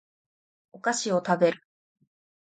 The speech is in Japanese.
お菓子を食べる